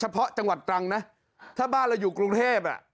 เพาะจังหวัดตรังนะถ้าบ้านเราอยู่กรุงเทพอ่ะ